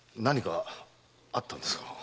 何かあったんですか？